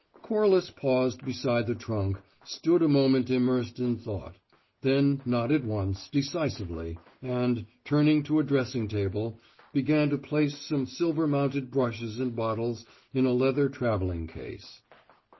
Corliss paused beside the trunk, stood a moment immersed in thought; then nodded once, decisively, and, turning to a dressing table, began to place some silver mounted brushes and bottles in a leather travelling case.